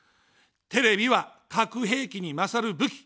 テレビは核兵器に勝る武器。